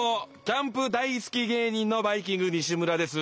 キャンプ大好き芸人のバイきんぐ西村です。